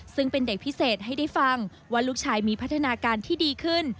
ซึ่งเป็นเด็กพิเศษให้ได้ฟังว่าลูกชายมีพัฒนาการที่ดีขึ้น